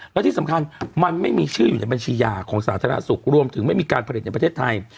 แล้วที่สำคัญมันไม่มีชื่ออยู่ในบัญชียาของสาธารณสุขรวมถึงไม่มีการผลิตในประเทศไทย